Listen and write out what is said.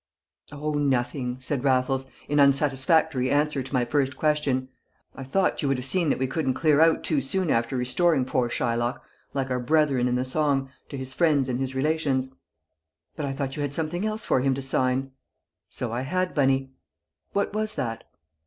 "Oh, nothing!" said Raffles, in unsatisfactory answer to my first question. "I thought you would have seen that we couldn't clear out too soon after restoring poor Shylock, like our brethren in the song, 'to his friends and his relations.'" "But I thought you had something else for him to sign?" "So I had, Bunny." "What was that?"